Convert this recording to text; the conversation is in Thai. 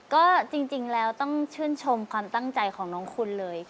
ก็จริงแล้วต้องชื่นชมความตั้งใจของน้องคุณเลย